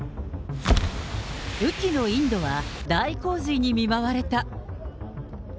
雨季のインドは大洪水に見舞われた。